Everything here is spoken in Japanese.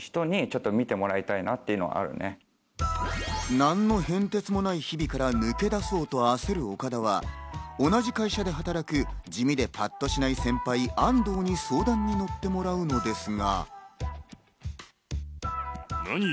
何の変哲もない日々から抜け出そうと焦る岡田は同じ会社で働く、地味でパッとしない先輩・安藤に相談に乗ってもらうのですが。